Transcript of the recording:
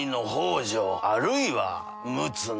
あるいは陸奥の。